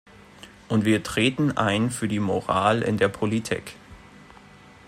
Und wir treten ein für die Moral in der Politik.